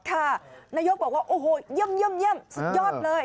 นายกบอกว่าโอ้โหเยี่ยมสุดยอดเลย